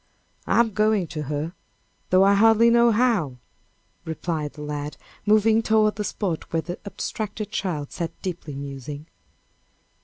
"I'm going to her, though I hardly know how," replied the lad, moving toward the spot where the abstracted child sat deeply musing.